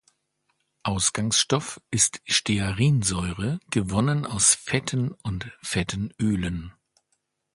Ausgangsstoff ist Stearinsäure, gewonnen aus Fetten und fetten Ölen.